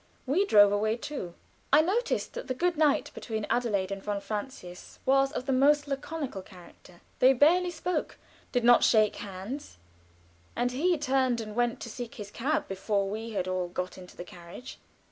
We drove away too. I noticed that the "good night" between Adelaide and von Francius was of the most laconical character. They barely spoke, did not shake hands, and he turned and went to seek his cab before we had all got into the carriage.